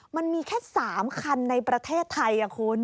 มันมีแค่๓คันในประเทศไทยคุณ